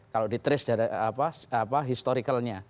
kalau di teris historicalnya